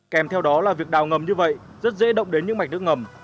kèm theo đó là việc đào ngầm như vậy rất dễ động đến những mạch nước ngầm